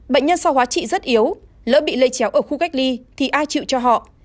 bệnh nhân sau hóa trị rất yếu lỡ bị lây chéo ở khu cách ly thì ai chịu cho họ